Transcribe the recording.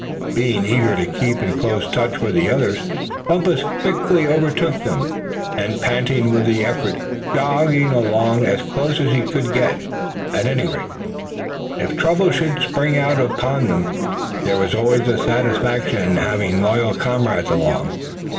Being eager to keep in close touch with the others, Bumpus quickly overtook them, and panting with the effort, jogged along as close as he could get. At any rate, if trouble should spring out upon them, there was always a satisfaction in having loyal comrades along.